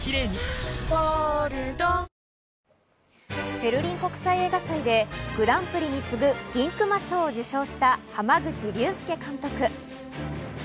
ベルリン国際映画祭でグランプリに次ぐ銀熊賞を受賞した濱口竜介監督。